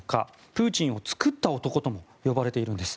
プーチンを作った男とも呼ばれているんです。